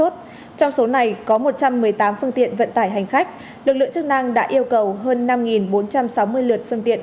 trong số này có một trăm một mươi tám phương tiện vận tải hành khách lực lượng chức năng đã yêu cầu hơn năm bốn trăm sáu mươi lượt phương tiện